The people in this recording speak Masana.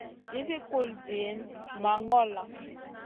Nizi kul diyna ma ŋola.